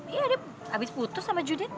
iya dia habis putus sama judit